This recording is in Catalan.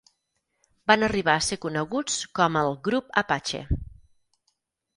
Van arribar a ser coneguts com el "Grup Apache".